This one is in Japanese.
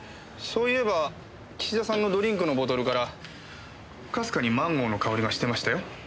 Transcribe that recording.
そういえば岸田さんのドリンクのボトルからかすかにマンゴーの香りがしてましたよ。